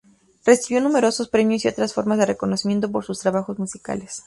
Recibió numerosos premios y otras formas de reconocimiento por sus trabajos musicales.